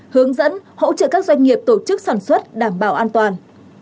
hướng dẫn hỗ trợ các doanh nghiệp tổ chức sản xuất đảm bảo an toàn